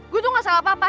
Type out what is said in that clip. gua tuh gak salah apa apa